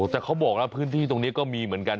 แต่เขาบอกแล้วพื้นที่ตรงนี้ก็มีเหมือนกัน